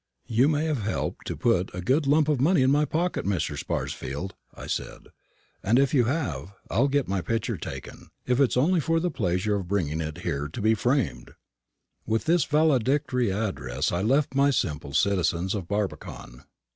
"You may have helped to put a good lump of money in my pocket, Mr. Sparsfield," I said; "and if you have, I'll get my picture taken, if it's only for the pleasure of bringing it here to be framed." With this valedictory address I left my simple citizens of Barbican.